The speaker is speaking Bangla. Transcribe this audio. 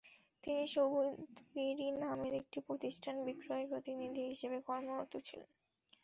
তিনি সুবোধ বিড়ি নামের একটি প্রতিষ্ঠানে বিক্রয় প্রতিনিধি হিসেবে কর্মরত ছিলেন।